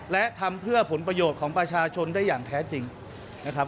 และทำเพื่อผลประโยชน์ของประชาชนได้อย่างแท้จริงนะครับ